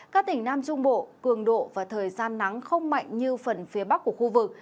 các tỉnh nam trung bộ cường độ và thời gian nắng không mạnh như phần phía bắc của khu vực